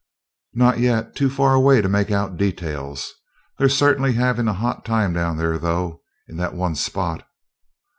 "Not yet. Too far away to make out details. They're certainly having a hot time down there, though, in that one spot."